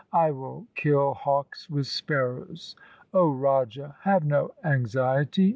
I will kill hawks with sparrows. O Raja, have no anxiety.